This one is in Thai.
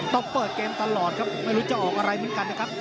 ต้องเปิดเกมตลอดครับไม่รู้จะออกอะไรเหมือนกันนะครับ